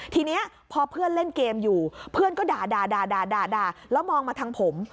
ทีนี้พอเพื่อนเล่นเกมอยู่เพื่อนก็ด่าแล้วมองมาทางผม